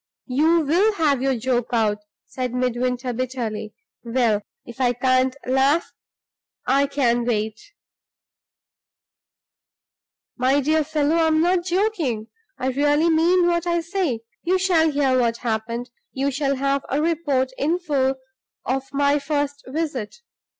"You will have your joke out," said Midwinter, bitterly. "Well, if I can't laugh, I can wait." "My dear fellow, I'm not joking; I really mean what I say. You shall hear what happened; you shall have a report in full of my first visit.